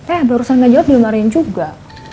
eh ada urusan ngejawab dimarahin juga